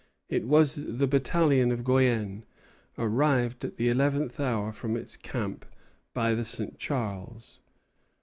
It was the battalion of Guienne, arrived at the eleventh hour from its camp by the St. Charles.